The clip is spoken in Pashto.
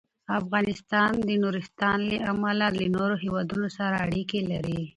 افغانستان د نورستان له امله له نورو هېوادونو سره اړیکې لري.